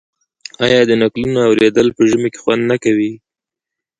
آیا د نکلونو اوریدل په ژمي کې خوند نه کوي؟